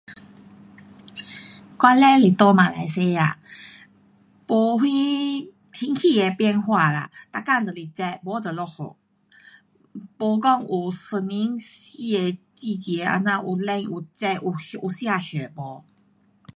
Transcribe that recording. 我嘞是在马来西亚，um 没什天气的变化啦，每天就是热，不就下雨。没讲有一年四个季节这样，有冷，有热，有,有下雪 um